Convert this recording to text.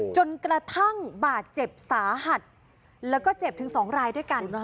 จนกระทั่งบาดเจ็บสาหัสแล้วก็เจ็บถึง๒รายด้วยกัน